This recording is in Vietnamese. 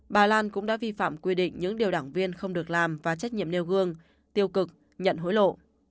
bà lan cũng đã vi phạm quy định những điều đảng viên không được làm và trách nhiệm nêu gương tiêu cực nhận hối lộ